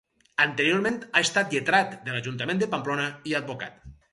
Anteriorment ha estat lletrat de l'Ajuntament de Pamplona i advocat.